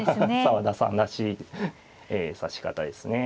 澤田さんらしい指し方ですね。